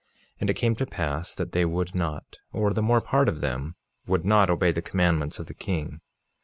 And it came to pass that they would not, or the more part of them would not, obey the commandments of the king.